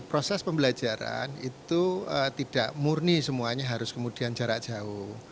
proses pembelajaran itu tidak murni semuanya harus kemudian jarak jauh